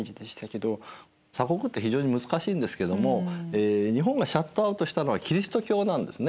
鎖国って非常に難しいんですけども日本がシャットアウトしたのはキリスト教なんですね。